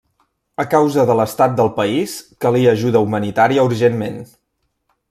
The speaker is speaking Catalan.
A causa de l'estat del país, calia ajuda humanitària urgentment.